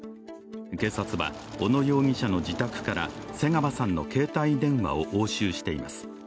警察は小野容疑者の自宅から瀬川さんの携帯電話を押収しています。